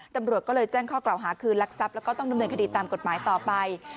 ตำรวจก็เลยแจ้งข้อกล่าวหาคืนลักทรัพย์แล้วก็ต้องดำเนินคดีตามกฎหมายต่อไป